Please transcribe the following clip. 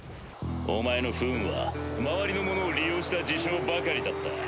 お前の不運は周りのものを利用した事象ばかりだった。